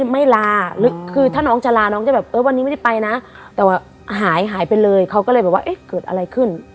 ไม่ลาหรือคือถ้าน้องจะลาน้องจะแบบเออวันนี้ไม่ได้ไปนะแต่ว่าหายหายไปเลยเขาก็เลยบอกว่าเอ๊ะเกิดอะไรขึ้น